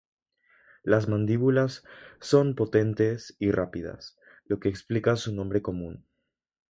Las mandíbulas son potentes y rápidas, lo que explica su nombre común.